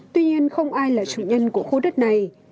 tuy nhiên không ai là chủ nhân của khu đất này